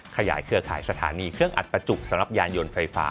เครือข่ายสถานีเครื่องอัดประจุกสำหรับยานยนต์ไฟฟ้า